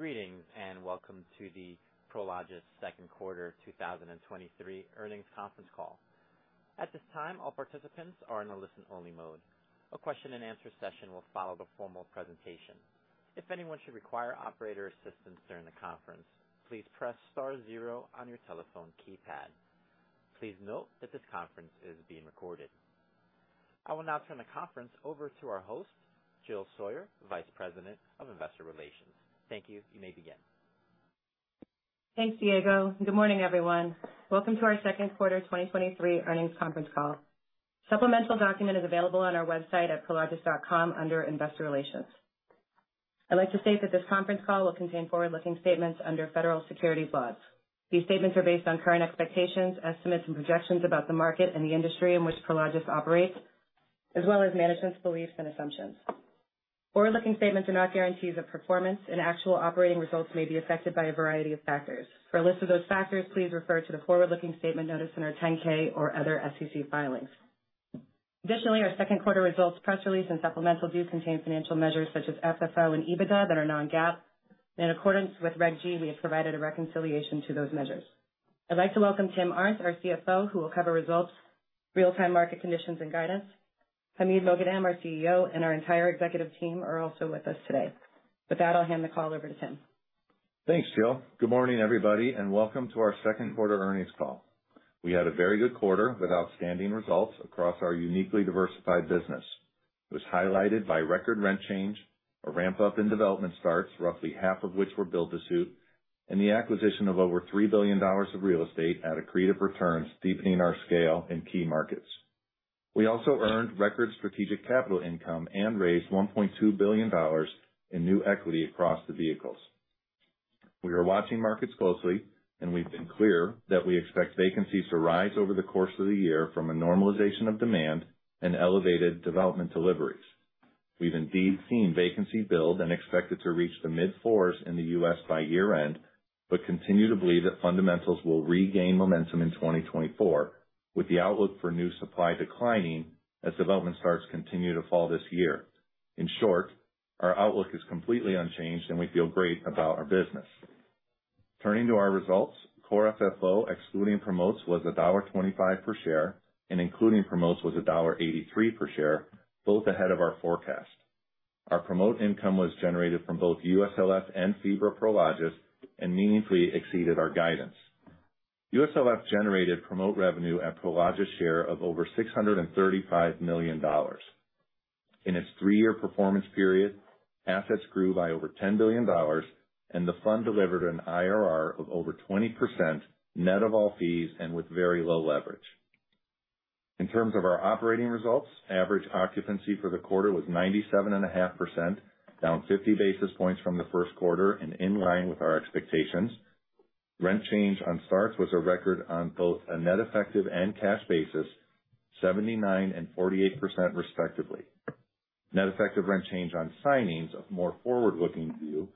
Greetings, welcome to the Prologis Q2 2023 Earnings Conference Call. At this time, all participants are in a listen-only mode. A question and answer session will follow the formal presentation. If anyone should require operator assistance during the conference, please press star zero on your telephone keypad. Please note that this conference is being recorded. I will now turn the conference over to our host, Jill Sawyer, Vice President of Investor Relations. Thank you. You may begin. Thanks, Diego. Good morning, everyone. Welcome to our Q2 2023 Earnings Conference Call. Supplemental document is available on our website at prologis.com under Investor Relations. I'd like to state that this conference call will contain forward-looking statements under federal securities laws. These statements are based on current expectations, estimates, and projections about the market and the industry in which Prologis operates, as well as management's beliefs and assumptions. Forward-looking statements are not guarantees of performance. Actual operating results may be affected by a variety of factors. For a list of those factors, please refer to the forward-looking statement notice in our 10-K or other SEC filings. Additionally, our Q2 results, press release, and supplemental do contain financial measures such as FFO and EBITDA that are non-GAAP. In accordance with Reg G, we have provided a reconciliation to those measures. I'd like to welcome Tim Arndt, our CFO, who will cover results, real-time market conditions, and guidance. Hamid Moghadam, our CEO, and our entire executive team are also with us today. With that, I'll hand the call over to Tim. Thanks, Jill. Good morning, everybody, and welcome to our Q2 earnings call. We had a very good quarter with outstanding results across our uniquely diversified business. It was highlighted by record rent change, a ramp-up in development starts, roughly half of which were build-to-suit, and the acquisition of over $3 billion of real estate at accretive returns, deepening our scale in key markets. We also earned record strategic capital income and raised $1.2 billion in new equity across the vehicles. We are watching markets closely, and we've been clear that we expect vacancies to rise over the course of the year from a normalization of demand and elevated development deliveries. We've indeed seen vacancy build and expect it to reach the mid-40s in the U.S. by year-end. Continue to believe that fundamentals will regain momentum in 2024, with the outlook for new supply declining as development starts continue to fall this year. In short, our outlook is completely unchanged. We feel great about our business. Turning to our results, core FFO, excluding promotes, was $1.25 per share. Including promotes, was $1.83 per share, both ahead of our forecast. Our promote income was generated from both USLF and FIBRA Prologis. Meaningfully exceeded our guidance. USLF generated promote revenue at Prologis' share of over $635 million. In its three-year performance period, assets grew by over $10 billion. The fund delivered an IRR of over 20%, net of all fees and with very low leverage. In terms of our operating results, average occupancy for the quarter was 97.5%, down 50 basis points from the Q1 and in line with our expectations. Rent change on starts was a record on both a net effective and cash basis, 79% and 48%, respectively. Net effective rent change on signings of more forward-looking view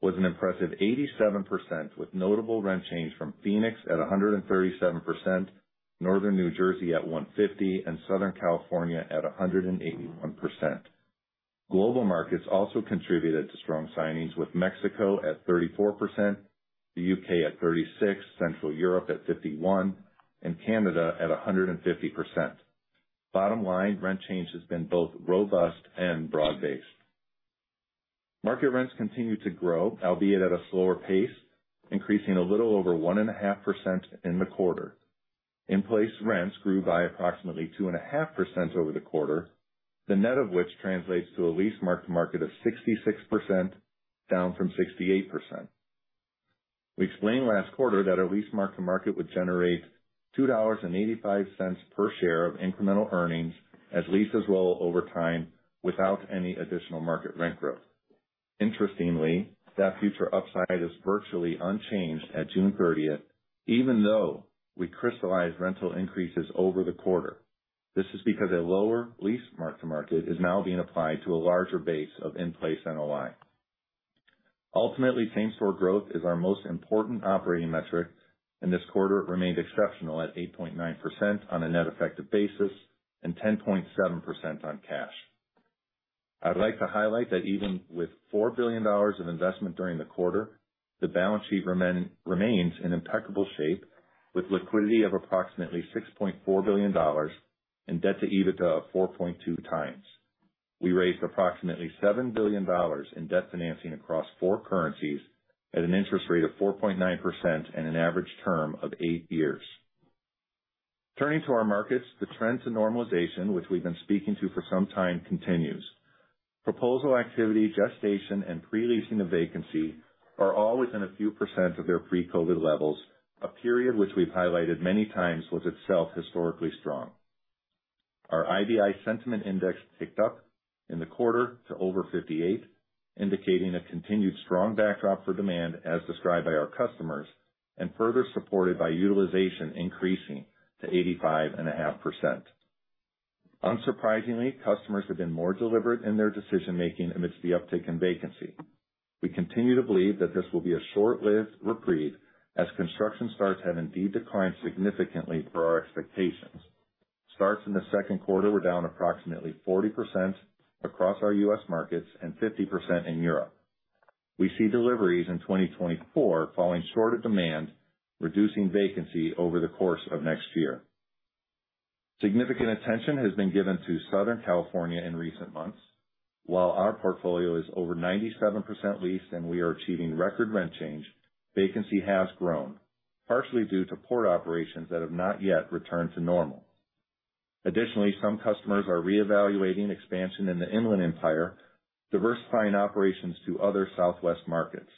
was an impressive 87%, with notable rent change from Phoenix at 137%, Northern New Jersey at 150%, and Southern California at 181%. Global markets also contributed to strong signings, with Mexico at 34%, the U.K. at 36%, Central Europe at 51%, and Canada at 150%. Bottom line, rent change has been both robust and broad-based. Market rents continue to grow, albeit at a slower pace, increasing a little over 1.5% in the quarter. In-place rents grew by approximately 2.5% over the quarter, the net of which translates to a lease mark-to-market of 66%, down from 68%. We explained last quarter that our lease mark-to-market would generate $2.85 per share of incremental earnings as leases roll over time without any additional market rent growth. Interestingly, that future upside is virtually unchanged at June 30th, even though we crystallized rental increases over the quarter. This is because a lower lease mark-to-market is now being applied to a larger base of in-place NLI. Ultimately, same-store growth is our most important operating metric, and this quarter it remained exceptional at 8.9% on a net effective basis and 10.7% on cash. I'd like to highlight that even with $4 billion of investment during the quarter, the balance sheet remains in impeccable shape, with liquidity of approximately $6.4 billion and debt to EBITDA of 4.2 times. We raised approximately $7 billion in debt financing across four currencies at an interest rate of 4.9% and an average term of eight years. Turning to our markets, the trend to normalization, which we've been speaking to for some time, continues. Proposal activity, gestation, and pre-leasing of vacancy are all within a few percent of their pre-COVID levels, a period which we've highlighted many times was itself historically strong. Our IBI sentiment index ticked up in the quarter to over 58, indicating a continued strong backdrop for demand as described by our customers, further supported by utilization increasing to 85.5%. Unsurprisingly, customers have been more deliberate in their decision-making amidst the uptick in vacancy. We continue to believe that this will be a short-lived reprieve as construction starts have indeed declined significantly per our expectations. Starts in the Q2 were down approximately 40% across our US markets and 50% in Europe. We see deliveries in 2024 falling short of demand, reducing vacancy over the course of next year. Significant attention has been given to Southern California in recent months. While our portfolio is over 97% leased and we are achieving record rent change, vacancy has grown, partially due to port operations that have not yet returned to normal. Additionally, some customers are reevaluating expansion in the Inland Empire, diversifying operations to other Southwest markets.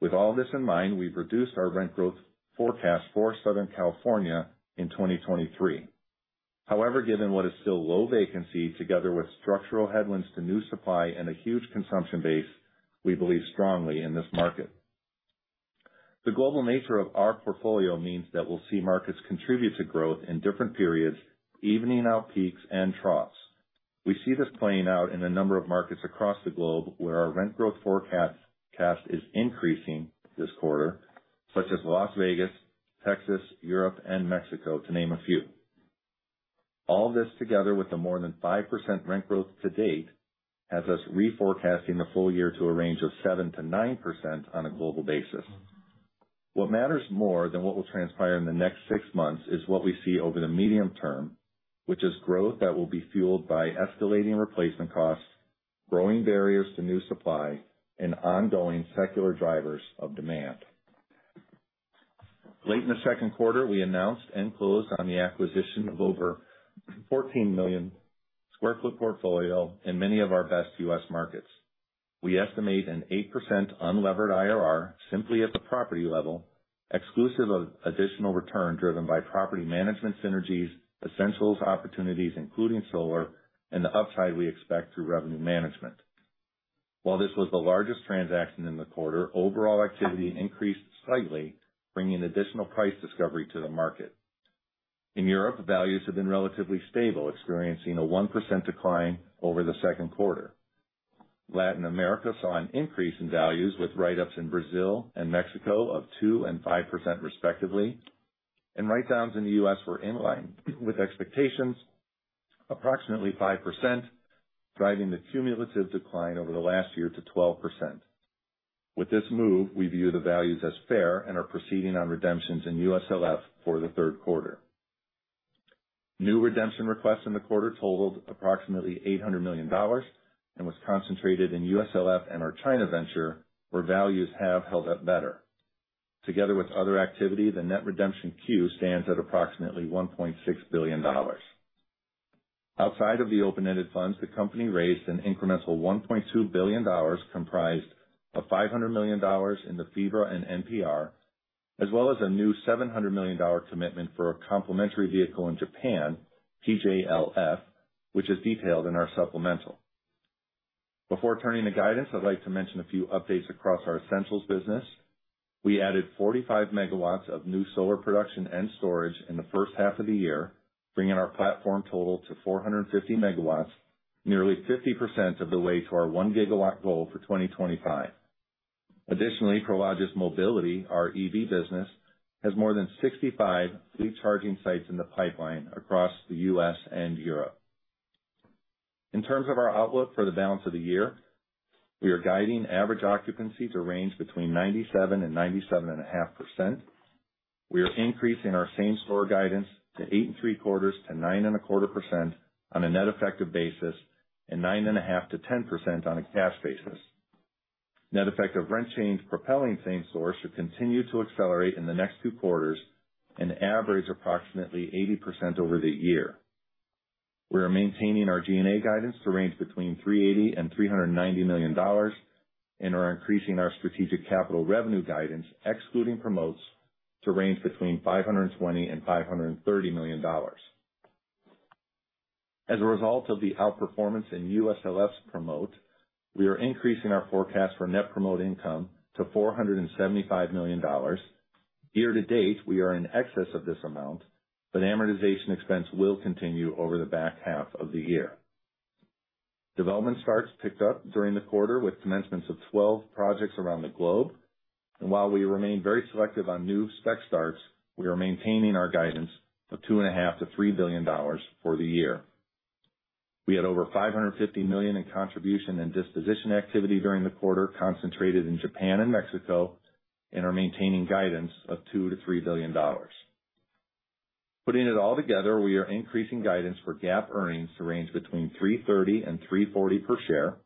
With all this in mind, we've reduced our rent growth forecast for Southern California in 2023. Given what is still low vacancy, together with structural headwinds to new supply and a huge consumption base, we believe strongly in this market. The global nature of our portfolio means that we'll see markets contribute to growth in different periods, evening out peaks and troughs. We see this playing out in a number of markets across the globe, where our rent growth forecast is increasing this quarter, such as Las Vegas, Texas, Europe, and Mexico, to name a few. All this together with the more than 5% rent growth to date, has us reforecasting the full year to a range of 7%-9% on a global basis. What matters more than what will transpire in the next six months is what we see over the medium term, which is growth that will be fueled by escalating replacement costs, growing barriers to new supply, and ongoing secular drivers of demand. Late in the Q2, we announced and closed on the acquisition of over 14 million sq ft portfolio in many of our best US markets. We estimate an 8% unlevered IRR simply at the property level, exclusive of additional return driven by property management synergies, essentials, opportunities including solar, and the upside we expect through revenue management. While this was the largest transaction in the quarter, overall activity increased slightly, bringing additional price discovery to the market. In Europe, values have been relatively stable, experiencing a 1% decline over the Q2. Latin America saw an increase in values with write-ups in Brazil and Mexico of 2% and 5%, respectively, and write-downs in the U.S. were in line with expectations, approximately 5%, driving the cumulative decline over the last year to 12%. With this move, we view the values as fair and are proceeding on redemptions in USLF for the Q3. New redemption requests in the quarter totaled approximately $800 million and was concentrated in USLF and our China venture, where values have held up better. Together with other activity, the net redemption queue stands at approximately $1.6 billion. Outside of the open-ended funds, the company raised an incremental $1.2 billion, comprised of $500 million in the FEFA and NPR, as well as a new $700 million commitment for a complementary vehicle in Japan, TJLF, which is detailed in our supplemental. Before turning to guidance, I'd like to mention a few updates across our Essentials business. We added 45 megawatts of new solar production and storage in the first half of the year, bringing our platform total to 450 megawatts, nearly 50% of the way to our 1 gigawatt goal for 2025. Additionally, Prologis Mobility, our EV business, has more than 65 fleet charging sites in the pipeline across the U.S. and Europe. In terms of our outlook for the balance of the year, we are guiding average occupancy to range between 97% and 97.5%. We are increasing our same-store guidance to 8.75%-9.25% on a net effective basis, and 9.5%-10% on a cash basis. Net effective rent change propelling same store should continue to accelerate in the next two quarters and average approximately 80% over the year. We are maintaining our G&A guidance to range between $380 million-$390 million, and are increasing our strategic capital revenue guidance, excluding promotes, to range between $520 million-$530 million. As a result of the outperformance in USLF's promote, we are increasing our forecast for net promote income to $475 million. Year to date, we are in excess of this amount, amortization expense will continue over the back half of the year. Development starts picked up during the quarter with commencements of 12 projects around the globe. While we remain very selective on new spec starts, we are maintaining our guidance of $2.5 billion-$3 billion for the year. We had over $550 million in contribution and disposition activity during the quarter, concentrated in Japan and Mexico, are maintaining guidance of $2 billion-$3 billion. Putting it all together, we are increasing guidance for GAAP earnings to range between $3.30 and $3.40 per share.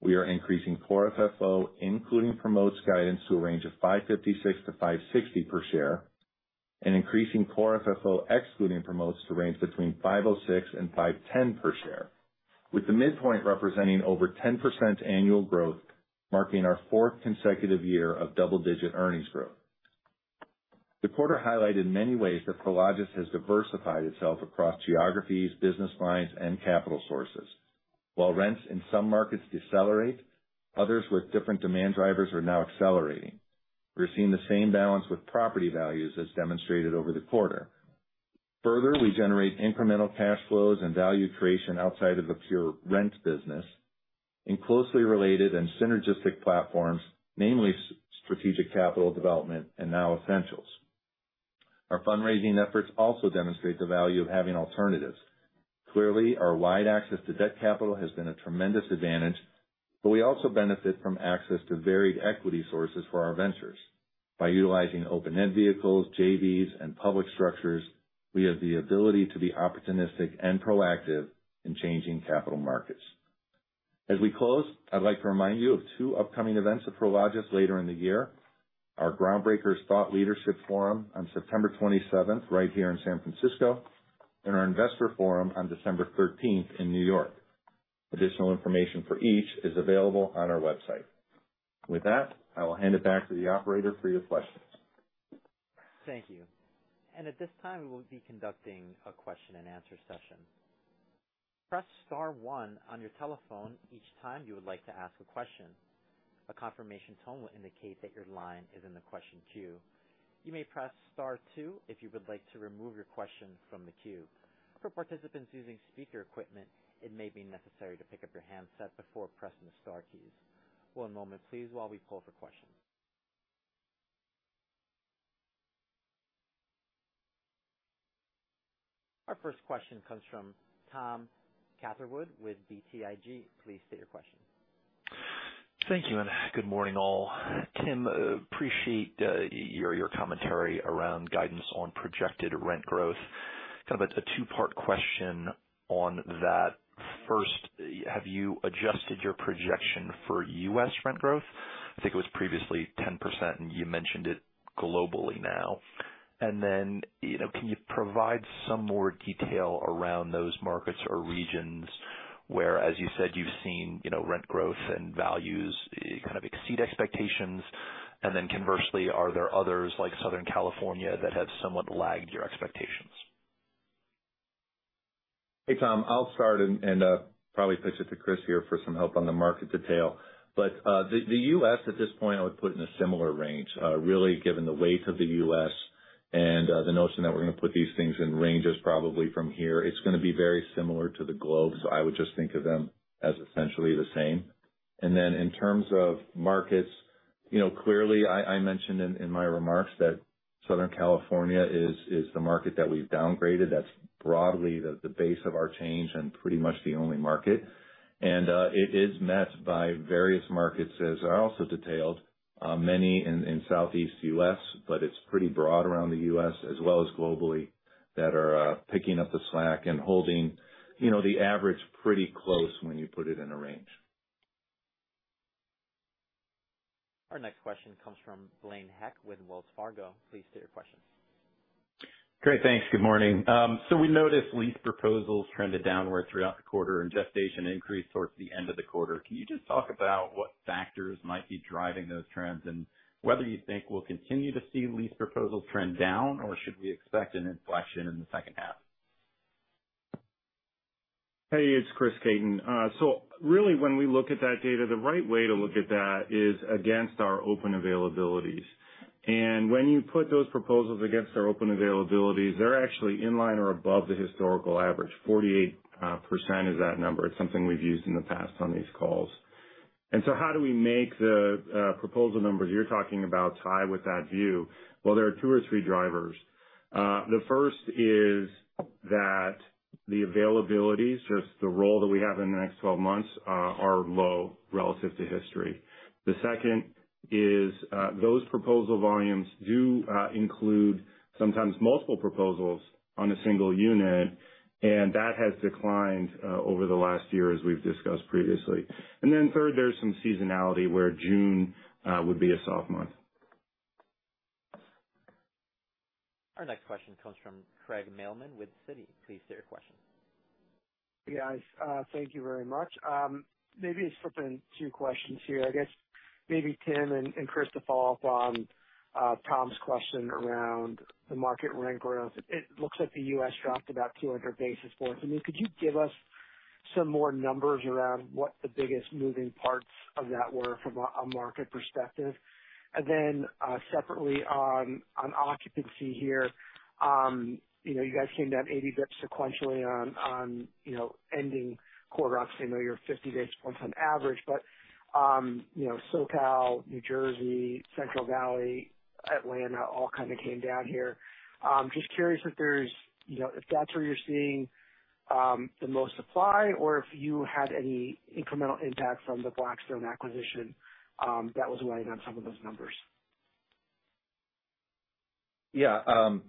We are increasing core FFO, including promotes guidance, to a range of $5.56-$5.60 per share, and increasing core FFO excluding promotes to range between $5.06 and $5.10 per share, with the midpoint representing over 10% annual growth, marking our fourth consecutive year of double-digit earnings growth. The quarter highlighted many ways that Prologis has diversified itself across geographies, business lines, and capital sources. Rents in some markets decelerate, others with different demand drivers are now accelerating. We're seeing the same balance with property values as demonstrated over the quarter. We generate incremental cash flows and value creation outside of the pure rent business in closely related and synergistic platforms, namely strategic capital development and now Essentials. Our fundraising efforts also demonstrate the value of having alternatives. Clearly, our wide access to debt capital has been a tremendous advantage, but we also benefit from access to varied equity sources for our ventures. By utilizing open-end vehicles, JVs, and public structures, we have the ability to be opportunistic and proactive in changing capital markets. As we close, I'd like to remind you of two upcoming events at Prologis later in the year. Our GROUNDBREAKERS Thought Leadership Forum on September 27th, right here in San Francisco, and our Investor Forum on December 13th in New York. Additional information for each is available on our website. With that, I will hand it back to the operator for your questions. Thank you. At this time, we'll be conducting a question-and-answer session. Press star one on your telephone each time you would like to ask a question. A confirmation tone will indicate that your line is in the question queue. You may press star two if you would like to remove your question from the queue. For participants using speaker equipment, it may be necessary to pick up your handset before pressing the star keys. One moment, please, while we pull for questions. Our first question comes from Thomas Catherwood with BTIG. Please state your question. Thank you, and good morning, all. Tim, appreciate your commentary around guidance on projected rent growth. Kind of a two-part question on that. First, have you adjusted your projection for U.S. rent growth? I think it was previously 10%, and you mentioned it globally now. Then, you know, can you provide some more detail around those markets or regions where, as you said, you've seen, you know, rent growth and values, kind of exceed expectations? Then conversely, are there others, like Southern California, that have somewhat lagged your expectations? Hey, Tom, I'll start and probably pitch it to Chris here for some help on the market detail. The U.S. at this point, I would put in a similar range, really, given the weight of the U.S. and the notion that we're going to put these things in ranges, probably from here. It's going to be very similar to the globe, so I would just think of them as essentially the same. Then in terms of markets, you know, clearly, I mentioned in my remarks that Southern California is the market that we've downgraded. That's broadly the base of our change and pretty much the only market. It is met by various markets, as I also detailed, many in Southeast U.S., but it's pretty broad around the U.S. as well as globally, that are picking up the slack and holding, you know, the average pretty close when you put it in a range. Our next question comes from Blaine Heck with Wells Fargo. Please state your question. Great, thanks. Good morning. We noticed lease proposals trended downward throughout the quarter and gestation increased towards the end of the quarter. Can you just talk about what factors might be driving those trends and whether you think we'll continue to see lease proposals trend down, or should we expect an inflection in the second half? Hey, it's Chris Caton. Really, when we look at that data, the right way to look at that is against our open availabilities. When you put those proposals against our open availabilities, they're actually in line or above the historical average. 48% is that number. It's something we've used in the past on these calls. How do we make the proposal numbers you're talking about tie with that view? Well, there are two or three drivers. The first is that the availabilities, just the role that we have in the next 12 months, are low relative to history. The second is, those proposal volumes do include sometimes multiple proposals on a single unit, and that has declined over the last year, as we've discussed previously. Third, there's some seasonality, where June would be a soft month. Our next question comes from Craig Mailman with Citi. Please state your question. Yeah, thank you very much. Maybe just flipping two questions here. I guess maybe Tim Arndt and Chris Caton, to follow up on Tom Catherwood's question around the market rent growth. It looks like the U.S. dropped about 200 basis points. I mean, could you give us some more numbers around what the biggest moving parts of that were from a market perspective? Separately, on occupancy here, you know, you guys came down 80 basis points sequentially on, you know, ending quarter, obviously know you're 50 basis points on average, but, you know, SoCal, New Jersey, Central Valley, Atlanta, all kind of came down here. Just curious if there's, you know, if that's where you're seeing the most supply, or if you had any incremental impact from the Blackstone acquisition, that was weighing on some of those numbers. Yeah, on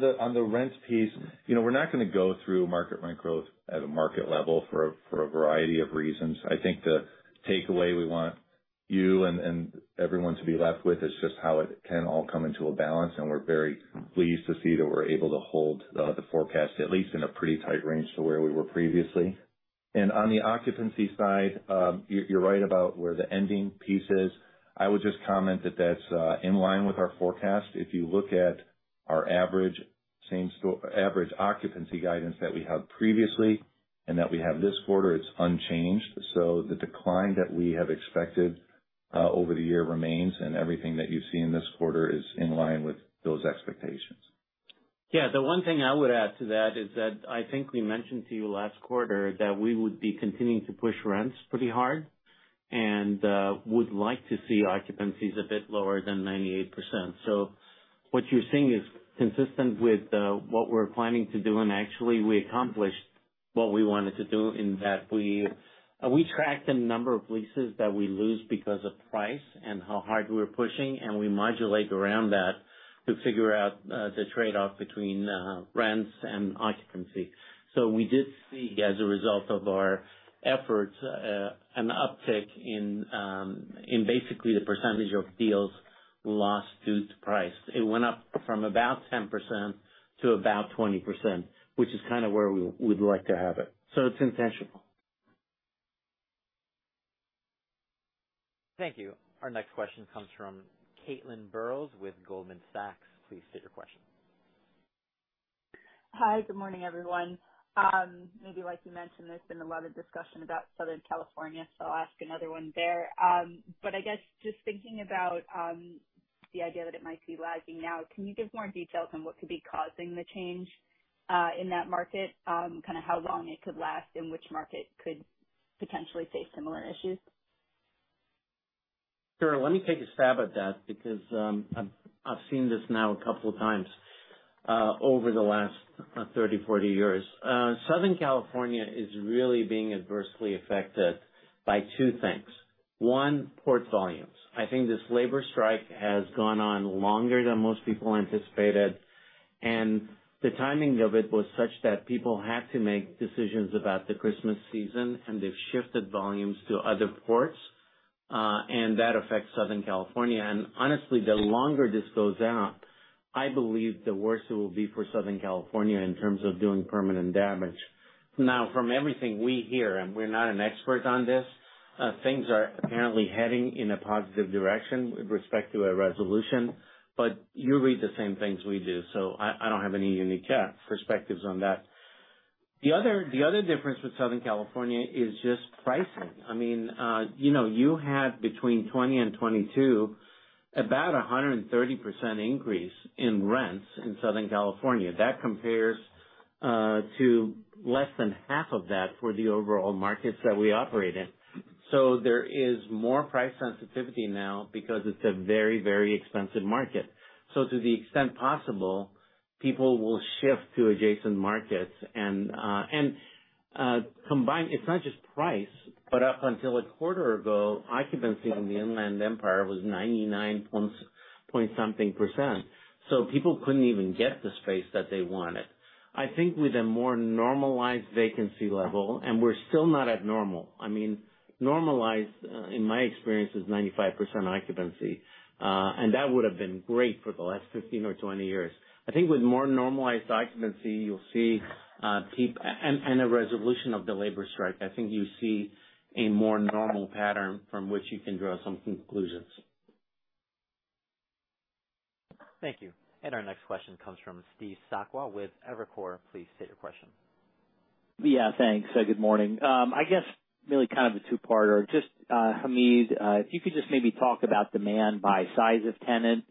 the rents piece, you know, we're not going to go through market rent growth at a market level for a variety of reasons. I think the takeaway we want you and everyone to be left with is just how it can all come into a balance, and we're very pleased to see that we're able to hold the forecast, at least in a pretty tight range to where we were previously. On the occupancy side, you're right about where the ending piece is. I would just comment that that's in line with our forecast. If you look at our average occupancy guidance that we had previously and that we have this quarter, it's unchanged. The decline that we have expected over the year remains, and everything that you've seen this quarter is in line with those expectations. Yeah, the one thing I would add to that is that I think we mentioned to you last quarter that we would be continuing to push rents pretty hard and would like to see occupancies a bit lower than 98%. What you're seeing is consistent with what we're planning to do, and actually, we accomplished what we wanted to do in that we tracked the number of leases that we lose because of price and how hard we're pushing, and we modulate around that to figure out the trade-off between rents and occupancy. We did see, as a result of our efforts, an uptick in basically the percentage of deals lost due to price. It went up from about 10% to about 20%, which is kind of where we would like to have it.It's intentional. Thank you. Our next question comes from Caitlin Burrows with Goldman Sachs. Please state your question. Hi, good morning, everyone. Maybe like you mentioned, there's been a lot of discussion about Southern California, so I'll ask another one there. I guess just thinking about the idea that it might be lagging now, can you give more details on what could be causing the change in that market? Kind of how long it could last and which market could potentially face similar issues? Sure. Let me take a stab at that, because I've seen this now a couple of times over the last 30, 40 years. Southern California is really being adversely affected by two things. One, port volumes. I think this labor strike has gone on longer than most people anticipated, and the timing of it was such that people had to make decisions about the Christmas season, and they've shifted volumes to other ports, and that affects Southern California. Honestly, the longer this goes on, I believe the worse it will be for Southern California in terms of doing permanent damage. From everything we hear, and we're not an expert on this, things are apparently heading in a positive direction with respect to a resolution, but you read the same things we do, so I don't have any unique perspectives on that. The other, the other difference with Southern California is just pricing. I mean, you know, you had between 20 and 22, about a 130% increase in rents in Southern California. That compares to less than half of that for the overall markets that we operate in. There is more price sensitivity now because it's a very, very expensive market. To the extent possible, people will shift to adjacent markets and, combine. It's not just price, but up until a quarter ago, occupancy in the Inland Empire was 99. something%, so people couldn't even get the space that they wanted. I think with a more normalized vacancy level, and we're still not at normal. I mean, normalized, in my experience, is 95% occupancy, and that would have been great for the last 15 or 20 years. I think with more normalized occupancy, you'll see, and a resolution of the labor strike, I think you see a more normal pattern from which you can draw some conclusions. Thank you. Our next question comes from Steve Sakwa with Evercore. Please state your question. Yeah, thanks. Good morning. I guess really kind of a two-parter. Just, Hamid, if you could just maybe talk about demand by size of tenant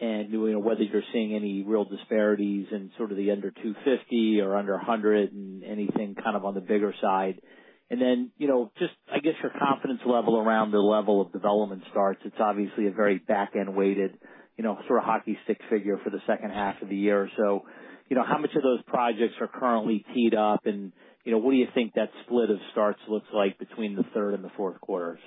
and whether you're seeing any real disparities in sort of the under 250 or under 100 and anything kind of on the bigger side. Then, you know, just, I guess, your confidence level around the level of development starts. It's obviously a very back-end weighted, you know, sort of hockey stick figure for the second half of the year. How much of those projects are currently teed up? What do you think that split of starts looks like between the third and the Q4s?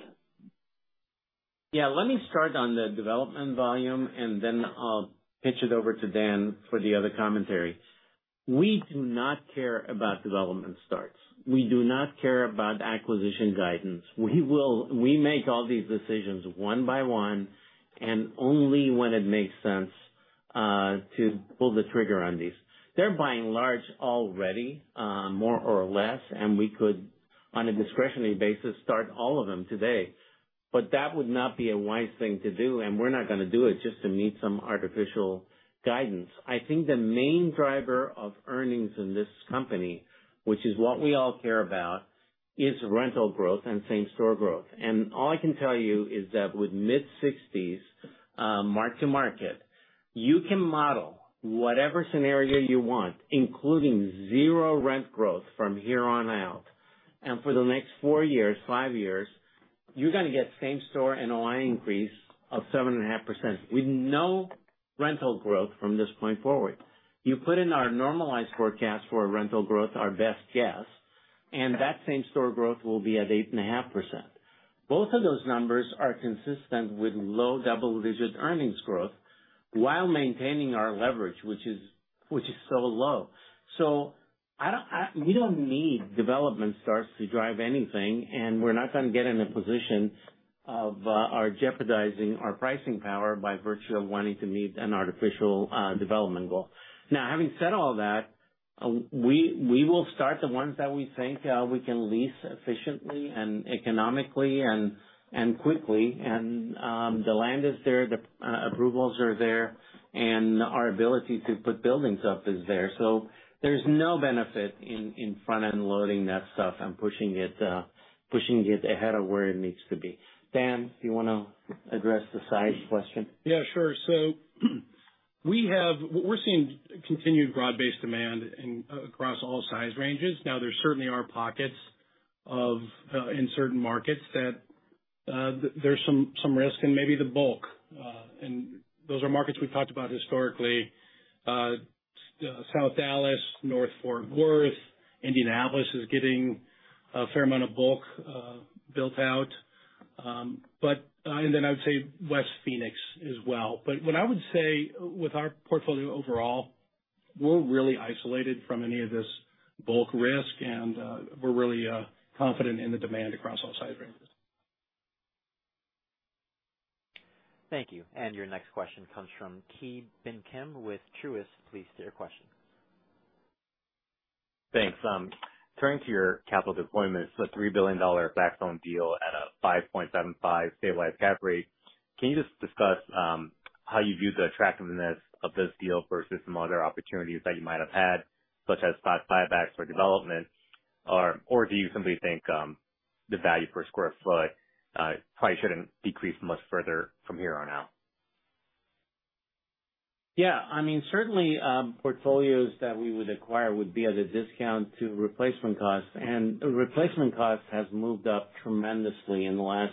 Let me start on the development volume, and then I'll pitch it over to Dan for the other commentary. We do not care about development starts. We do not care about acquisition guidance. We make all these decisions one by one and only when it makes sense to pull the trigger on these. They're by and large already, more or less, and we could, on a discretionary basis, start all of them today. That would not be a wise thing to do, and we're not going to do it just to meet some artificial guidance. I think the main driver of earnings in this company, which is what we all care about, is rental growth and same-store growth. All I can tell you is that with mid-60s, mark-to-market, you can model whatever scenario you want, including zero rent growth from here on out. For the next four years, five years, you're going to get same-store NOI increase of 7.5% with no rental growth from this point forward. You put in our normalized forecast for rental growth, our best guess, and that same-store growth will be at 8.5%. Both of those numbers are consistent with low double-digit earnings growth while maintaining our leverage, which is so low. We don't need development starts to drive anything, and we're not going to get in a position of or jeopardizing our pricing power by virtue of wanting to meet an artificial development goal. Having said all that, we will start the ones that we think we can lease efficiently and economically and quickly. The land is there, the approvals are there, and our ability to put buildings up is there. There's no benefit in front-end loading that stuff and pushing it ahead of where it needs to be. Dan, do you want to address the size question? Yeah, sure. We're seeing continued broad-based demand in, across all size ranges. Now, there certainly are pockets of-in certain markets that there's some risk in maybe the bulk. Those are markets we've talked about historically. South Dallas, North Fort Worth, Indianapolis is getting a fair amount of bulk built out. Then I would say West Phoenix as well. What I would say with our portfolio overall, we're really isolated from any of this bulk risk, and we're really confident in the demand across all sectors. Thank you. Your next question comes from Ki Bin Kim with Truist. Please state your question. Thanks. Turning to your capital deployment, a $3 billion Blackstone deal at a 5.75 stabilized cap rate, can you just discuss how you view the attractiveness of this deal versus some other opportunities that you might have had, such as stock buybacks or development? Or do you simply think the value per sq ft probably shouldn't decrease much further from here on out? Yeah. I mean, certainly, portfolios that we would acquire would be at a discount to replacement costs, and replacement cost has moved up tremendously in the last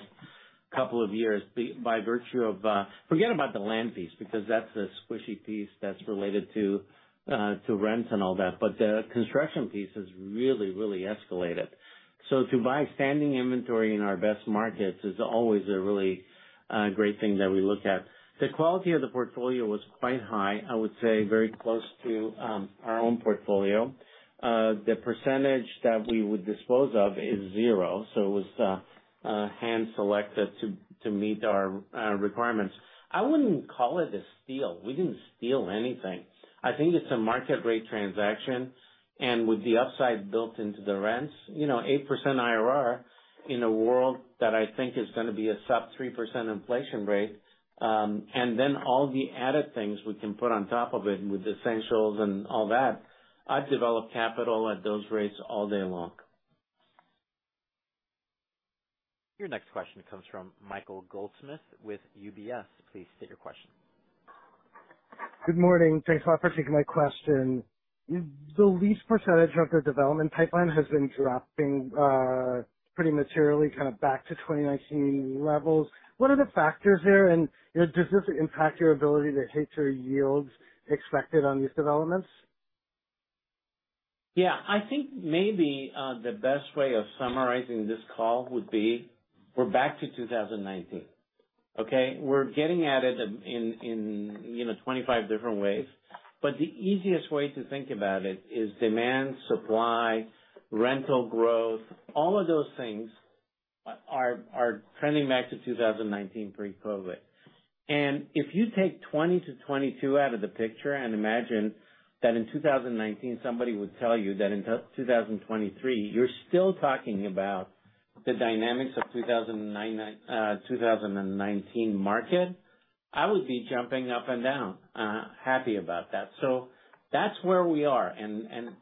couple of years by virtue of. Forget about the land piece, because that's a squishy piece that's related to rents and all that, but the construction piece has really, really escalated. To buy standing inventory in our best markets is always a really great thing that we look at. The quality of the portfolio was quite high, I would say very close to our own portfolio. The percentage that we would dispose of is zero, so it was hand selected to meet our requirements. I wouldn't call it a steal. We didn't steal anything. I think it's a market rate transaction, and with the upside built into the rents, you know, 8% IRR in a world that I think is gonna be a sub 3% inflation rate, and then all the added things we can put on top of it with Essentials and all that, I'd develop capital at those rates all day long. Your next question comes from Michael Goldsmith with UBS. Please state your question. Good morning. Thanks a lot for taking my question. The lease percentage of the development pipeline has been dropping, pretty materially, kind of, back to 2019 levels. What are the factors there? You know, does this impact your ability to hit your yields expected on these developments? Yeah, I think maybe the best way of summarizing this call would be we're back to 2019, okay? We're getting at it in, you know, 25 different ways, but the easiest way to think about it is demand, supply, rental growth, all of those things are trending back to 2019 pre-COVID. If you take 2020 to 2022 out of the picture and imagine that in 2019, somebody would tell you that in 2023, you're still talking about the dynamics of 2019 market, I would be jumping up and down happy about that. That's where we are.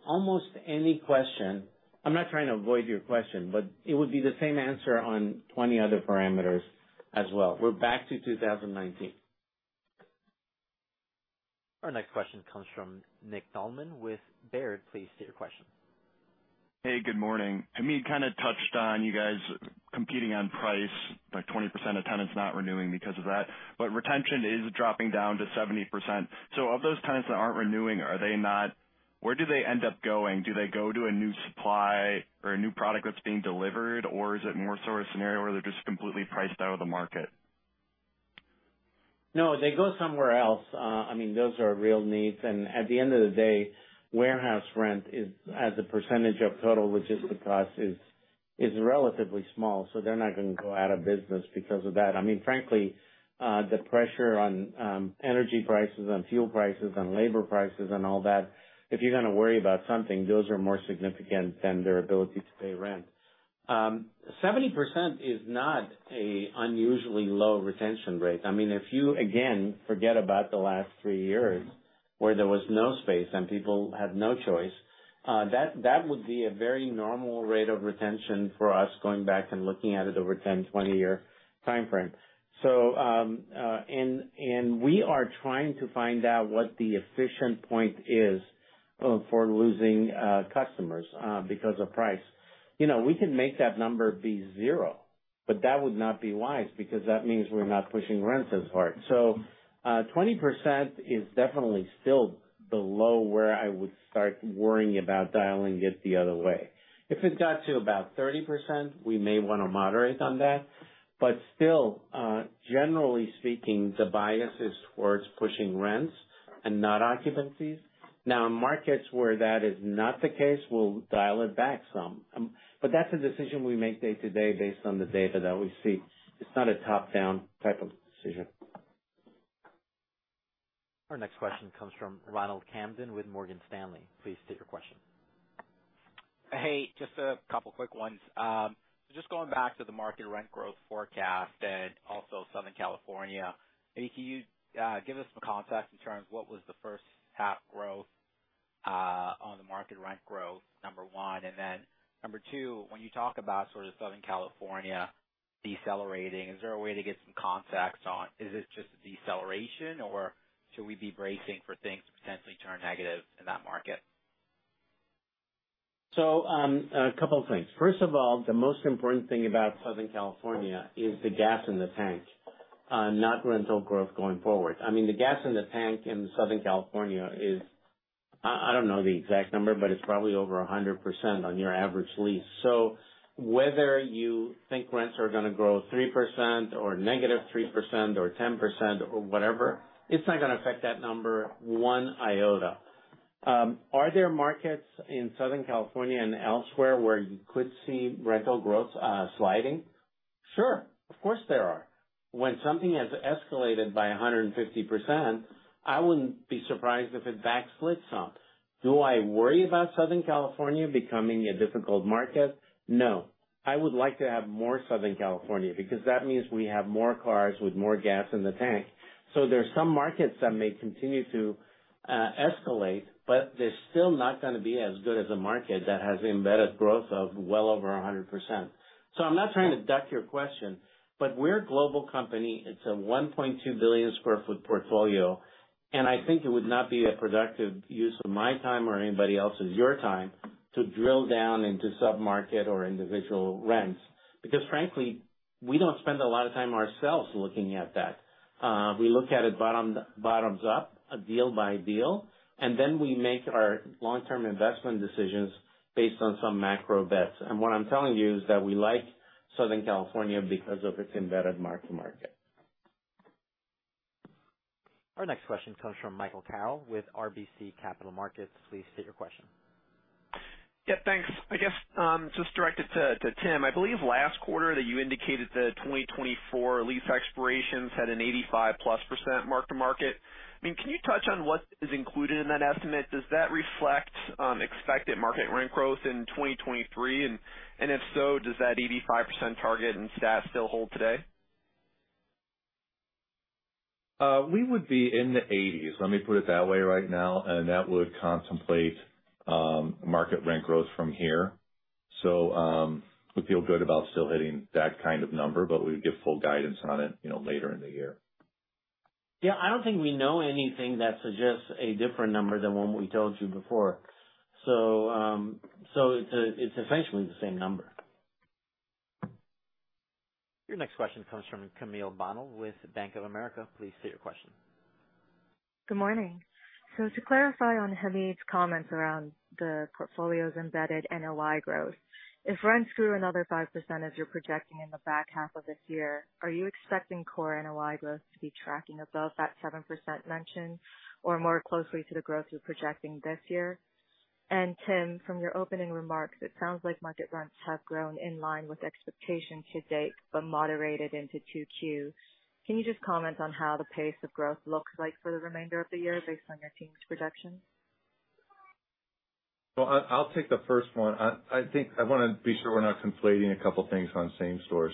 Almost any question. I'm not trying to avoid your question, but it would be the same answer on 20 other parameters as well. We're back to 2019. Our next question comes from Nick Thillman with Baird. Please state your question. Hey, good morning. Hamid kind of touched on you guys competing on price, like, 20% of tenants not renewing because of that, but retention is dropping down to 70%. Of those tenants that aren't renewing, are they Where do they end up going? Do they go to a new supply or a new product that's being delivered, or is it more sort of a scenario where they're just completely priced out of the market? No, they go somewhere else. I mean, those are real needs, and at the end of the day, warehouse rent is, as a percentage of total logistic costs, relatively small, so they're not gonna go out of business because of that. I mean, frankly, the pressure on energy prices and fuel prices and labor prices and all that, if you're gonna worry about something, those are more significant than their ability to pay rent. 70% is not a unusually low retention rate. I mean, if you, again, forget about the last three years, where there was no space and people had no choice, that would be a very normal rate of retention for us, going back and looking at it over a 10, 20-year timeframe. We are trying to find out what the efficient point is for losing customers because of price. You know, we can make that number be zero, but that would not be wise, because that means we're not pushing rents as hard. 20% is definitely still below where I would start worrying about dialing it the other way. If it got to about 30%, we may want to moderate on that, but still, generally speaking, the bias is towards pushing rents and not occupancies. Now, in markets where that is not the case, we'll dial it back some. That's a decision we make day to day based on the data that we see. It's not a top-down type of decision. Our next question comes from Ronald Kamdem with Morgan Stanley. Please state your question. Hey, just a couple quick ones. Just going back to the market rent growth forecast and also Southern California, can you give us some context in terms of what was the first half growth on the market rent growth? Number one. Number two, when you talk about sort of Southern California decelerating. Is there a way to get some context on, is this just a deceleration, or should we be bracing for things to potentially turn negative in that market? A couple of things. First of all, the most important thing about Southern California is the gas in the tank, not rental growth going forward. I mean, the gas in the tank in Southern California is, I don't know the exact number, but it's probably over 100% on your average lease. Whether you think rents are gonna grow 3% or -3% or 10% or whatever, it's not gonna affect that number one iota. Are there markets in Southern California and elsewhere where you could see rental growth sliding? Sure, of course, there are. When something has escalated by 150%, I wouldn't be surprised if it backslid some. Do I worry about Southern California becoming a difficult market? No. I would like to have more Southern California, because that means we have more cars with more gas in the tank. There are some markets that may continue to escalate, but they're still not gonna be as good as a market that has embedded growth of well over 100%. I'm not trying to duck your question, but we're a global company. It's a 1.2 billion sq ft portfolio, I think it would not be a productive use of my time or anybody else's, your time, to drill down into submarket or individual rents. Frankly, we don't spend a lot of time ourselves looking at that. We look at it bottoms up, a deal by deal, we make our long-term investment decisions based on some macro bets. What I'm telling you is that we like Southern California because of its embedded mark-to-market. Our next question comes from Michael Carroll with RBC Capital Markets. Please state your question. Yeah, thanks. I guess, just directed to Tim. I believe last quarter that you indicated that 2024 lease expirations had an 85+% mark-to-market. I mean, can you touch on what is included in that estimate? Does that reflect, expected market rent growth in 2023? If so, does that 85% target and stat still hold today? We would be in the 1980s, let me put it that way right now. That would contemplate market rent growth from here. We feel good about still hitting that kind of number. We'd give full guidance on it, you know, later in the year. Yeah, I don't think we know anything that suggests a different number than what we told you before. It's essentially the same number. Your next question comes from Camille Bonnell with Bank of America. Please state your question. Good morning. To clarify on Hamid's comments around the portfolio's embedded NOI growth, if rents grew another 5% as you're projecting in the back half of this year, are you expecting core NOI growth to be tracking above that 7% mentioned or more closely to the growth you're projecting this year? Tim, from your opening remarks, it sounds like market rents have grown in line with expectations to date, but moderated into 2Q. Can you just comment on how the pace of growth looks like for the remainder of the year based on your team's projections? Well, I'll take the first one. I think I want to be sure we're not conflating a couple things on same store.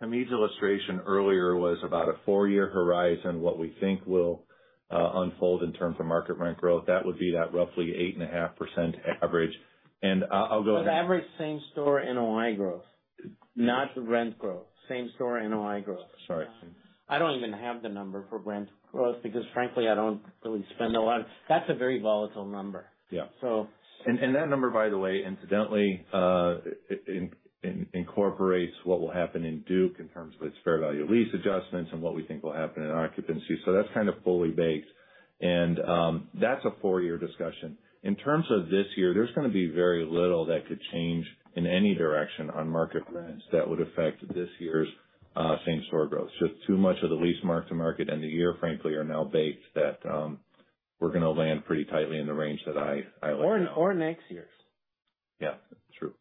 Hamid's illustration earlier was about a 4-year horizon, what we think will unfold in terms of market rent growth. That would be that roughly 8.5% average. I'll go ahead- That average same store NOI growth, not rent growth, same store NOI growth. Sorry. I don't even have the number for rent growth because frankly, I don't really spend a lot. That's a very volatile number. Yeah. So- That number, by the way, incidentally, incorporates what will happen in Duke in terms of its fair value lease adjustments and what we think will happen in occupancy. That's kind of fully baked, and that's a four-year discussion. In terms of this year, there's gonna be very little that could change in any direction on market rents that would affect this year's same-store growth. Just too much of the lease mark-to-market and the year, frankly, are now baked that we're gonna land pretty tightly in the range that I lay out. Or next year's. Yeah, true.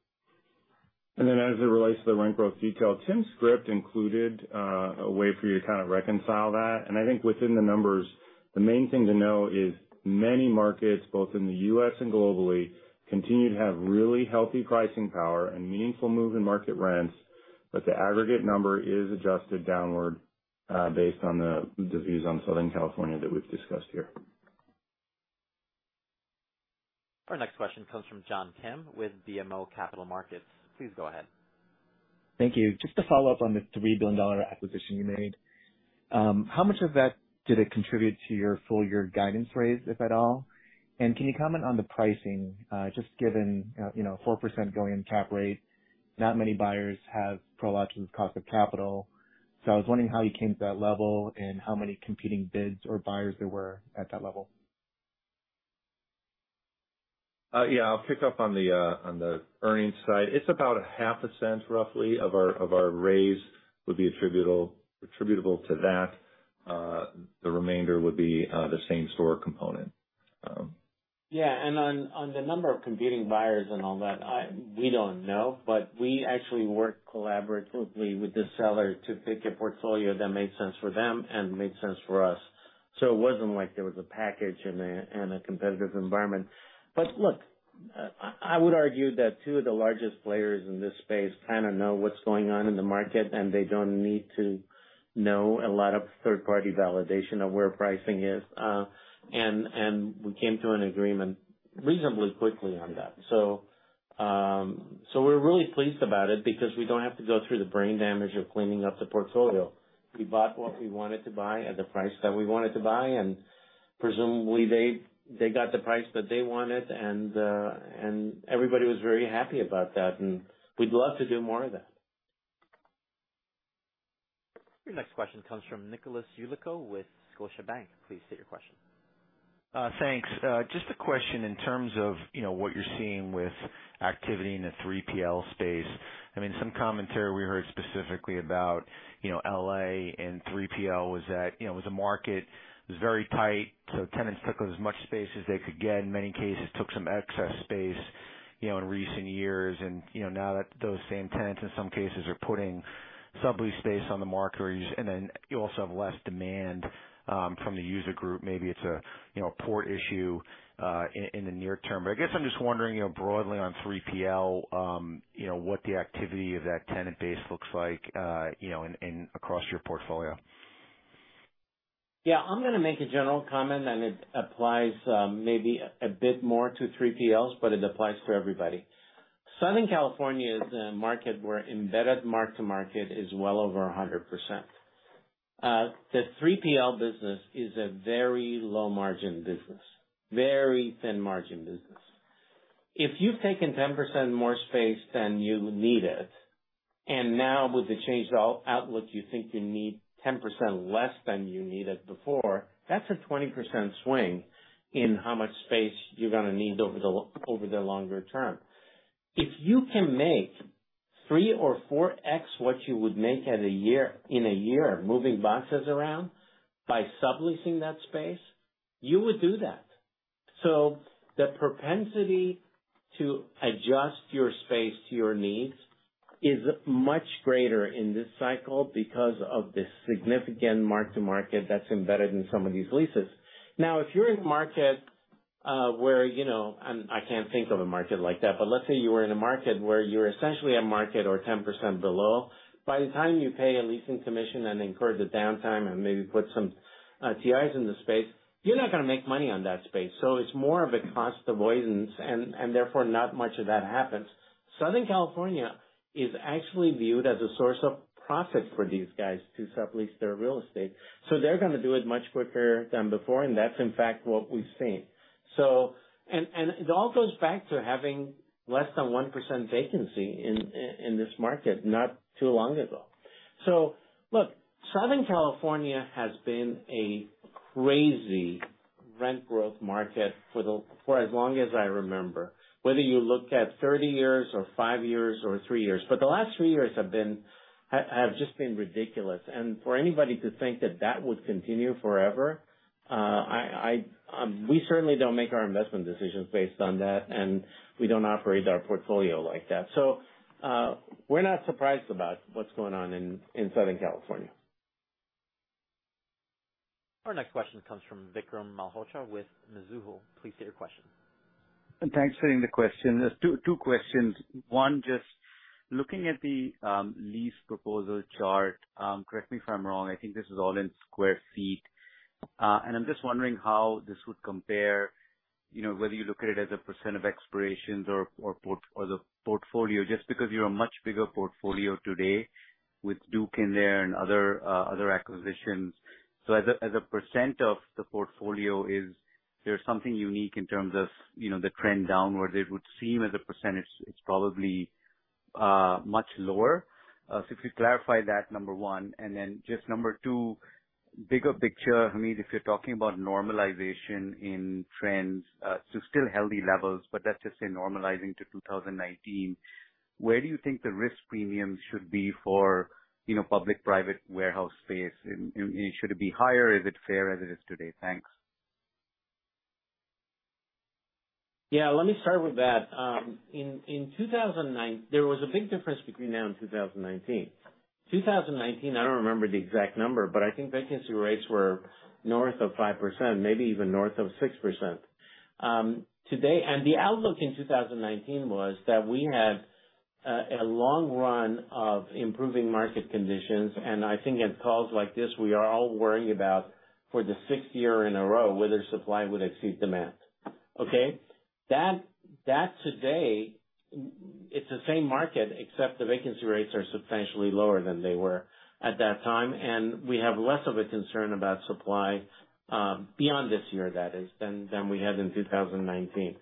As it relates to the rent growth detail, Tim's script included a way for you to kind of reconcile that. I think within the numbers, the main thing to know is many markets, both in the U.S. and globally, continue to have really healthy pricing power and meaningful move in market rents, but the aggregate number is adjusted downward, based on the views on Southern California that we've discussed here. Our next question comes from John Kim with BMO Capital Markets. Please go ahead. Thank you. Just to follow up on the $3 billion acquisition you made, how much of that did it contribute to your full year guidance raise, if at all? Can you comment on the pricing, just given, you know, 4% going cap rate, not many buyers have Prologis's cost of capital. I was wondering how you came to that level and how many competing bids or buyers there were at that level. Yeah, I'll pick up on the earnings side. It's about a half a cent, roughly, of our raise would be attributable to that. The remainder would be the same store component. On the number of competing buyers and all that, we don't know, but we actually worked collaboratively with the seller to pick a portfolio that made sense for them and made sense for us. It wasn't like there was a package and a competitive environment. Look, I would argue that two of the largest players in this space kind of know what's going on in the market, and they don't need to know a lot of third-party validation of where pricing is. We came to an agreement reasonably quickly on that. We're really pleased about it because we don't have to go through the brain damage of cleaning up the portfolio. We bought what we wanted to buy at the price that we wanted to buy, and presumably they got the price that they wanted, and everybody was very happy about that, and we'd love to do more of that. Your next question comes from Nicholas Yulico with Scotiabank. Please state your question. Thanks. Just a question in terms of, you know, what you're seeing with activity in the 3PL space. I mean, some commentary we heard specifically about, you know, L.A. and 3PL was that, you know, it was a market, it was very tight, so tenants took as much space as they could get, in many cases, took some excess space, you know, in recent years. You know, now that those same tenants, in some cases, are putting sublease space on the market, and then you also have less demand from the user group. Maybe it's a, you know, a port issue in the near term. I guess I'm just wondering, you know, broadly on 3PL, you know, what the activity of that tenant base looks like, you know, across your portfolio. Yeah, I'm gonna make a general comment, and it applies, maybe a bit more to 3PLs, but it applies to everybody. Southern California is a market where embedded mark-to-market is well over 100%. The 3PL business is a very low-margin business, very thin-margin business. If you've taken 10% more space than you needed, and now with the changed out-outlook, you think you need 10% less than you needed before, that's a 20% swing in how much space you're gonna need over the longer term. If you can make 3x or 4x what you would make in a year, moving boxes around by subleasing that space, you would do that. The propensity to adjust your space to your needs is much greater in this cycle because of the significant mark-to-market that's embedded in some of these leases. If you're in a market, where, you know. I can't think of a market like that, but let's say you were in a market where you're essentially at market or 10% below. By the time you pay a leasing commission and incur the downtime and maybe put some TIs in the space, you're not gonna make money on that space. It's more of a cost avoidance, and therefore, not much of that happens. Southern California is actually viewed as a source of profit for these guys to sublease their real estate, so they're gonna do it much quicker than before, and that's in fact, what we've seen. It all goes back to having less than 1% vacancy in this market not too long ago. Look, Southern California has been a crazy rent growth market for as long as I remember, whether you look at 30 years or five years or three years, but the last three years have just been ridiculous. For anybody to think that that would continue forever, I, we certainly don't make our investment decisions based on that, and we don't operate our portfolio like that. We're not surprised about what's going on in Southern California. Our next question comes from Vikram Malhotra with Mizuho. Please state your question. Thanks for taking the question. There's two questions. One, just looking at the lease proposal chart, correct me if I'm wrong, I think this is all in sq ft. I'm just wondering how this would compare, you know, whether you look at it as a % of expirations or the portfolio, just because you're a much bigger portfolio today with Duke in there and other acquisitions. As a % of the portfolio, is there something unique in terms of, you know, the trend downward? It would seem as a percentage, it's probably much lower. If you clarify that, number one, and then just number two, bigger picture, Hamid, if you're talking about normalization in trends, so still healthy levels, but let's just say normalizing to 2019, where do you think the risk premium should be for, you know, public-private warehouse space? And should it be higher or is it fair as it is today? Thanks. Yeah, let me start with that. In 2009, there was a big difference between then and 2019. 2019, I don't remember the exact number, but I think vacancy rates were north of 5%, maybe even north of 6%. Today, the outlook in 2019 was that we had a long run of improving market conditions, and I think in calls like this, we are all worrying about for the sixth year in a row, whether supply would exceed demand. Okay? Today, it's the same market, except the vacancy rates are substantially lower than they were at that time, and we have less of a concern about supply, beyond this year, that is, than we had in 2019.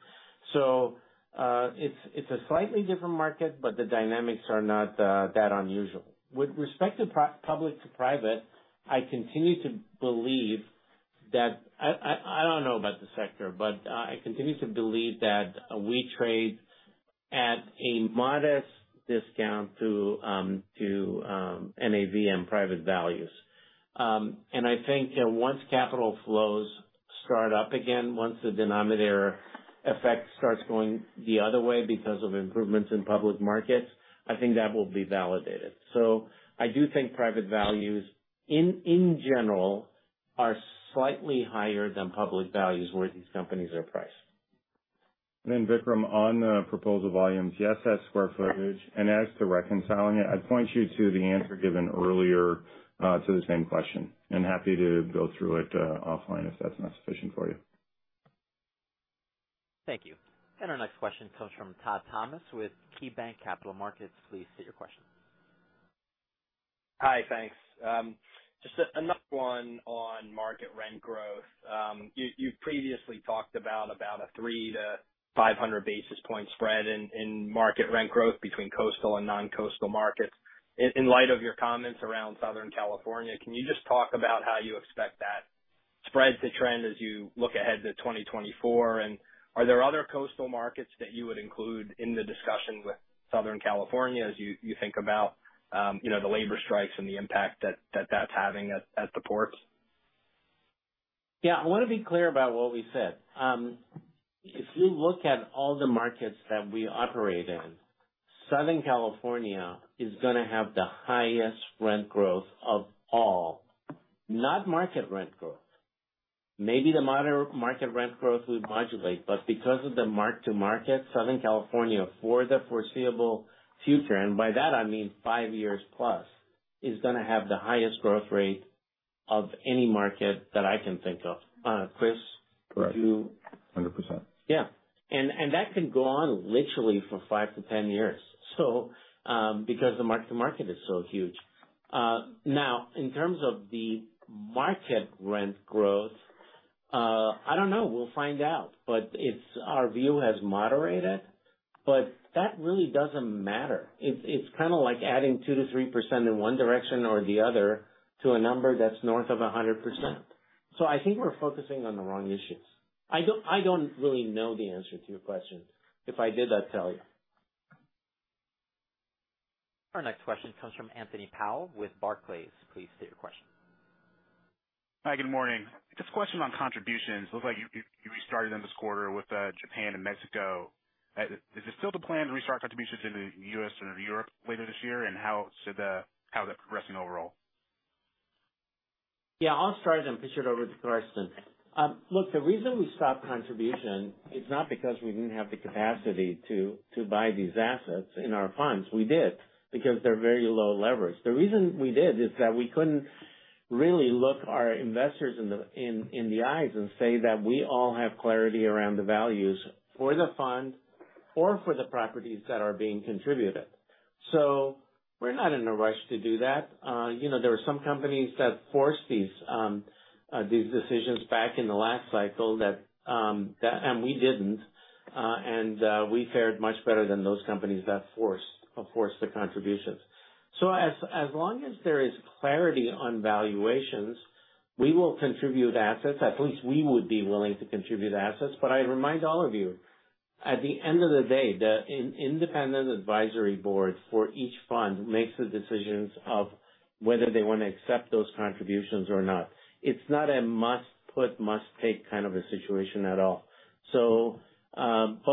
It's a slightly different market, but the dynamics are not that unusual. With respect to public to private, I don't know about the sector, but I continue to believe that we trade at a modest discount to NAV and private values. I think that once capital flows start up again, once the denominator effect starts going the other way because of improvements in public markets, I think that will be validated. I do think private values, in general, are slightly higher than public values, where these companies are priced. Vikram, on the proposal volumes, yes, that's sq ft age. As to reconciling it, I'd point you to the answer given earlier, to the same question, and happy to go through it, offline, if that's not sufficient for you. Thank you. Our next question comes from Todd Thomas with KeyBanc Capital Markets. Please state your question. Hi, thanks. Just another one on market rent growth. You've previously talked about a 300-500 basis point spread in market rent growth between coastal and non-coastal markets. In light of your comments around Southern California, can you just talk about how you expect that spread to trend as you look ahead to 2024? Are there other coastal markets that you would include in the discussion with Southern California as you think about, you know, the labor strikes and the impact that's having at the ports? Yeah, I want to be clear about what we said. If you look at all the markets that we operate in, Southern California is going to have the highest rent growth of all, not market rent growth. Maybe the market rent growth will modulate, but because of the mark-to-market, Southern California, for the foreseeable future, and by that I mean five years plus, is going to have the highest growth rate of any market that I can think of. Chris. Correct. 100%. Yeah. That can go on literally for five to 10 years. Because the mark-to-market is so huge. Now, in terms of the market rent growth, I don't know. We'll find out, but it's. Our view has moderated, but that really doesn't matter. It's kind of like adding 2% to 3% in one direction or the other to a number that's north of 100%. I think we're focusing on the wrong issues. I don't really know the answer to your question. If I did, I'd tell you. Our next question comes from Anthony Powell with Barclays. Please state your question. Hi, good morning. Just a question on contributions. Looks like you restarted them this quarter with Japan and Mexico. Is it still the plan to restart contributions in the U.S. and Europe later this year? How is that progressing overall? I'll start and pitch it over to Karsten. Look, the reason we stopped contribution is not because we didn't have the capacity to buy these assets in our funds. We did, because they're very low leverage. The reason we did is that we couldn't really look our investors in the eyes and say that we all have clarity around the values for the fund or for the properties that are being contributed. We're not in a rush to do that. You know, there are some companies that force these decisions back in the last cycle that and we didn't and we fared much better than those companies that forced the contributions. As long as there is clarity on valuations, we will contribute assets. At least we would be willing to contribute assets. I remind all of you, at the end of the day, the independent advisory board for each fund makes the decisions of whether they want to accept those contributions or not. It's not a must put, must take kind of a situation at all.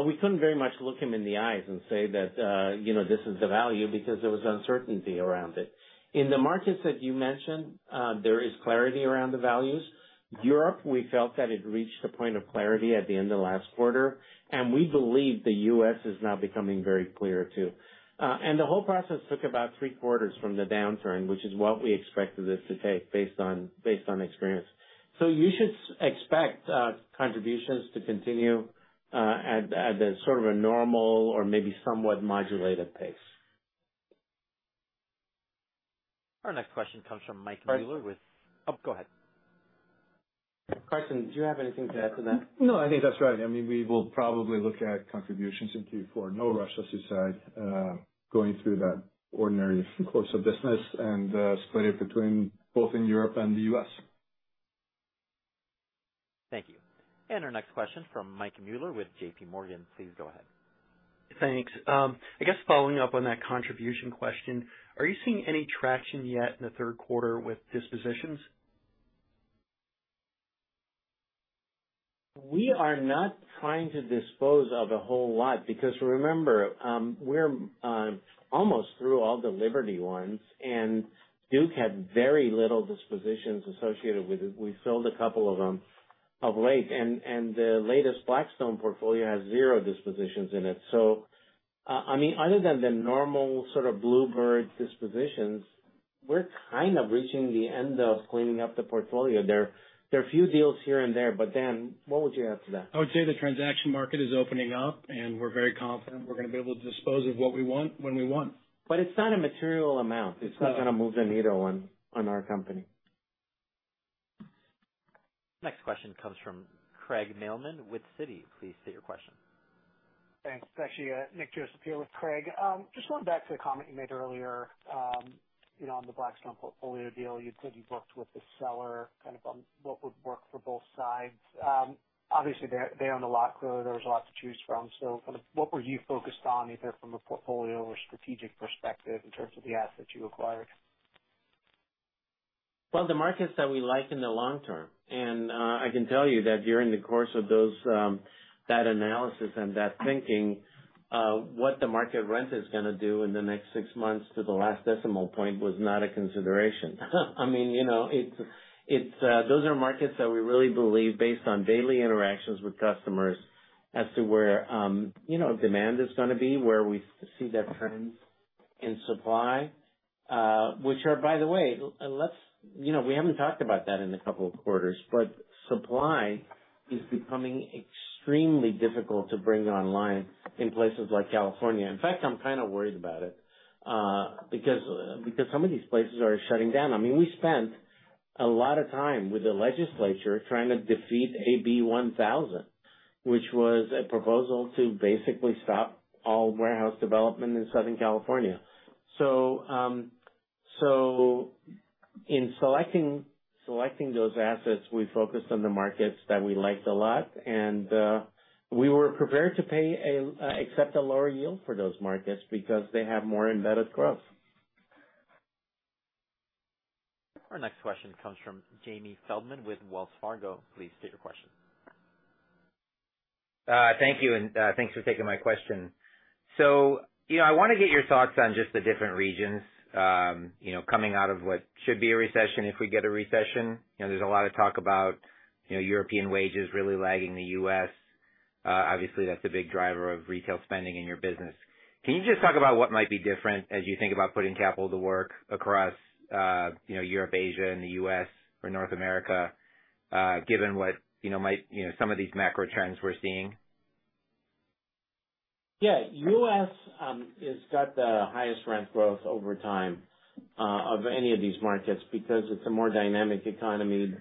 We couldn't very much look him in the eyes and say that, you know, this is the value because there was uncertainty around it. In the markets that you mentioned, there is clarity around the values. Europe, we felt that it reached a point of clarity at the end of last quarter, and we believe the US is now becoming very clear, too. The whole process took about three quarters from the downturn, which is what we expected this to take based on experience. You should expect contributions to continue at a sort of a normal or maybe somewhat modulated pace. Our next question comes from Mike Mueller with- Karsten? Oh, go ahead. Karsten, did you have anything to add to that? No, I think that's right. I mean, we will probably look at contributions in Q4. No rush, as you said, going through the ordinary course of business and spread it between both in Europe and the U.S. Thank you. Our next question from Mike Mueller with J.P. Morgan. Please go ahead. Thanks. I guess following up on that contribution question, are you seeing any traction yet in the Q3 with dispositions? We are not trying to dispose of a whole lot because remember, we're almost through all the Liberty ones, and Duke had very little dispositions associated with it. We sold a couple of them of late, and the latest Blackstone portfolio has zero dispositions in it. I mean, other than the normal sort of bluebird dispositions, we're kind of reaching the end of cleaning up the portfolio. There are a few deals here and there, but Dan, what would you add to that? I would say the transaction market is opening up, and we're very confident we're going to be able to dispose of what we want, when we want. It's not a material amount. No. It's not going to move the needle on our company. Next question comes from Craig Mailman with Citi. Please state your question. Thanks. It's actually Nick Joseph with Craig. Just going back to the comment you made earlier, you know, on the Blackstone portfolio deal, you said you worked with the seller, kind of on what would work for both sides. Obviously, they own a lot, so there was a lot to choose from. Kind of what were you focused on, either from a portfolio or strategic perspective in terms of the assets you acquired? Well, the markets that we like in the long term, and I can tell you that during the course of those, that analysis and that thinking, what the market rent is going to do in the next six months to the last decimal point was not a consideration. I mean, you know, it's, those are markets that we really believe, based on daily interactions with customers, as to where, you know, demand is going to be, where we see their trends. In supply, which are, by the way, let's, you know, we haven't talked about that in a couple of quarters, but supply is becoming extremely difficult to bring online in places like California. In fact, I'm kind of worried about it, because some of these places are shutting down. I mean, we spent a lot of time with the legislature trying to defeat AB 1000, which was a proposal to basically stop all warehouse development in Southern California. In selecting those assets, we focused on the markets that we liked a lot, and we were prepared to accept a lower yield for those markets because they have more embedded growth. Our next question comes from Jamie Feldman with Wells Fargo. Please state your question. Thank you, and thanks for taking my question. You know, I want to get your thoughts on just the different regions, you know, coming out of what should be a recession, if we get a recession. You know, there's a lot of talk about, you know, European wages really lagging the U.S. Obviously, that's a big driver of retail spending in your business. Can you just talk about what might be different as you think about putting capital to work across, you know, Europe, Asia, and the U.S. or North America, given what, you know, might, you know, some of these macro trends we're seeing? U.S. has got the highest rent growth over time of any of these markets because it's a more dynamic economy,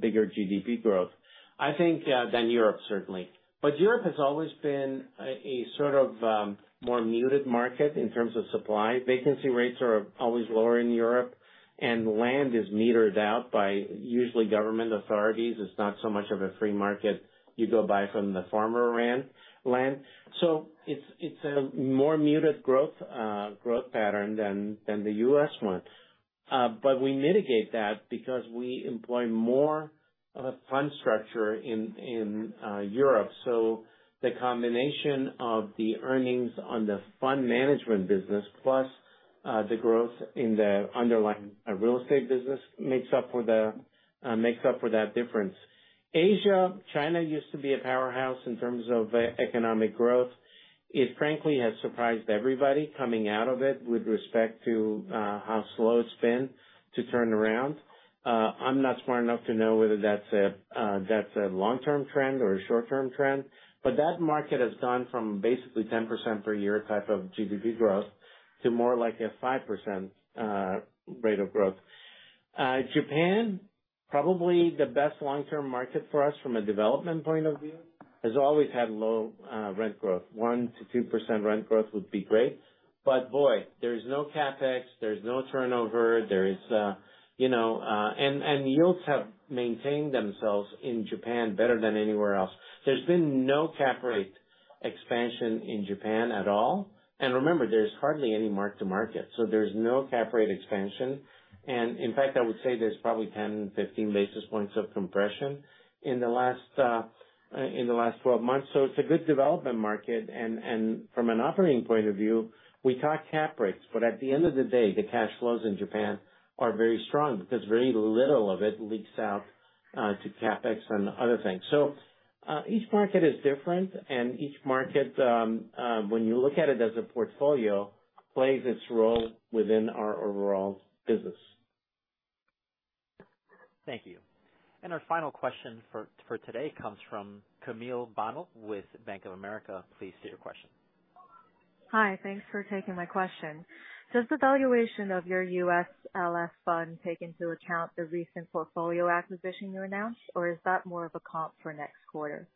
bigger GDP growth, I think, than Europe, certainly. Europe has always been a sort of more muted market in terms of supply. Vacancy rates are always lower in Europe, and land is metered out by usually government authorities. It's not so much of a free market. You go buy from the farmer land, it's a more muted growth pattern than the U.S. one. We mitigate that because we employ more of a fund structure in Europe. The combination of the earnings on the fund management business, plus the growth in the underlying real estate business, makes up for that difference. Asia, China used to be a powerhouse in terms of economic growth. It frankly has surprised everybody coming out of it with respect to how slow it's been to turn around. I'm not smart enough to know whether that's a long-term trend or a short-term trend, but that market has gone from basically 10% per year type of GDP growth to more like a 5% rate of growth. Japan, probably the best long-term market for us from a development point of view, has always had low rent growth. 1%-2% rent growth would be great, but boy, there's no CapEx, there's no turnover, there is, you know. Yields have maintained themselves in Japan better than anywhere else. There's been no cap rate expansion in Japan at all. Remember, there's hardly any mark-to-market, so there's no cap rate expansion. In fact, I would say there's probably 10, 15 basis points of compression in the last in the last 12 months. It's a good development market. From an operating point of view, we talk cap rates, but at the end of the day, the cash flows in Japan are very strong because very little of it leaks out to CapEx and other things. Each market is different, and each market, when you look at it as a portfolio, plays its role within our overall business. Thank you. Our final question for today comes from Camille Bonnell with Bank of America. Please state your question. Hi. Thanks for taking my question. Does the valuation of your U.S. Logistics Fund take into account the recent portfolio acquisition you announced, or is that more of a comp for next quarter?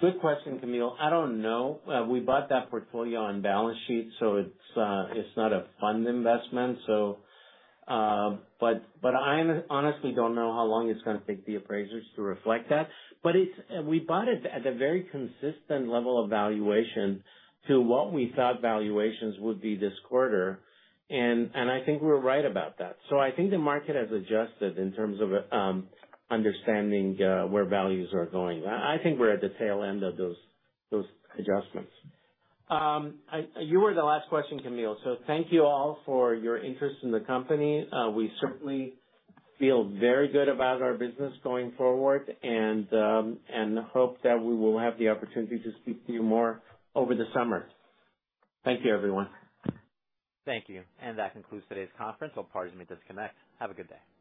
Good question, Camille. I don't know. We bought that portfolio on balance sheet, so it's not a fund investment, but I honestly don't know how long it's going to take the appraisers to reflect that. We bought it at a very consistent level of valuation to what we thought valuations would be this quarter, and I think we're right about that. I think the market has adjusted in terms of understanding where values are going. I think we're at the tail end of those adjustments. You were the last question, Camille, thank you all for your interest in the company. We certainly feel very good about our business going forward and hope that we will have the opportunity to speak to you more over the summer. Thank you, everyone. Thank you. That concludes today's conference. All parties may disconnect. Have a good day.